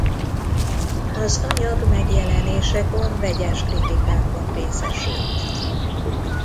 Az anyag megjelenésekor vegyes kritikákban részesült.